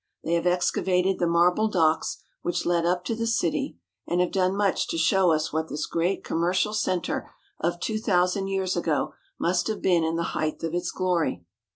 They have excavated the marble docks which led up to the city, and have done much to show us what this great commercial centre of two thousand years ago must have been in the height of its glory.